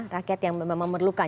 rakyat yang memang memerlukan